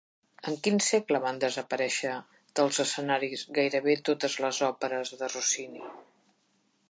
En quin segle van desaparèixer dels escenaris gairebé totes les òperes de Rossini?